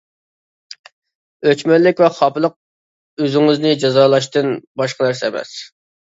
ئۆچمەنلىك ۋە خاپىلىق ئۆزىڭىزنى جازالاشتىن باشقا نەرسە ئەمەس.